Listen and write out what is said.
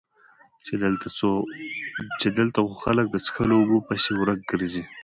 چې دلته خو خلک د څښلو اوبو پسې ورک ګرځي